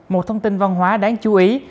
một thông tin văn hóa đáng chú ý